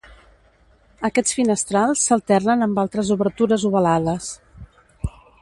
Aquests finestrals s'alternen amb altres obertures ovalades.